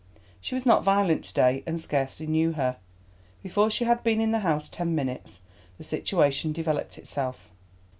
She was not violent to day, and scarcely knew her. Before she had been in the house ten minutes, the situation developed itself.